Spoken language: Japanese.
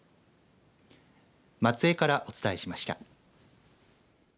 松江からお伝えしました。